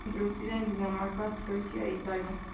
Introducida en Dinamarca, Suecia e Italia.